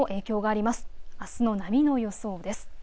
あすの波の予想です。